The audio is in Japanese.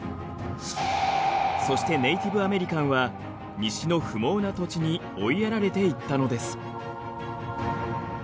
そしてネイティブアメリカンは西の不毛な土地に追いやられていったのです。